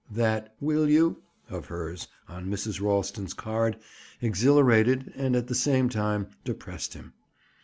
That "Will you?" of hers on Mrs. Ralston's card exhilarated and at the same time depressed him.